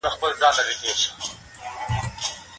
غور د تاريخي منارونو ځای دی.